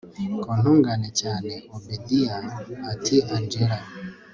kuntungura cyane obedia ati angella